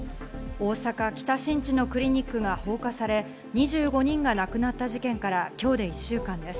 大阪・北新地のクリニックが放火され、２５人が亡くなった事件から今日で１週間です。